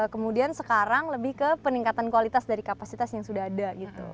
kemudian sekarang lebih ke peningkatan kualitas dari kapasitas yang sudah ada gitu